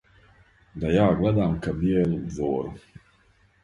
Да ја гледам ка бијелу двору